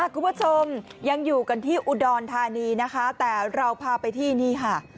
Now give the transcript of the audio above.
คุณผู้ชมยังอยู่กันที่อุดรธานีนะคะแต่เราพาไปที่นี่ค่ะ